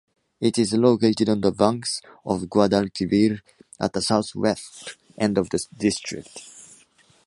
It is located on the banks of Guadalquivir, at the southwest end of the district.